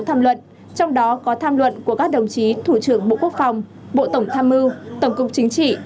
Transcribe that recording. tham luận trong đó có tham luận của các đồng chí thủ trưởng bộ quốc phòng bộ tổng tham mưu tổng cục chính trị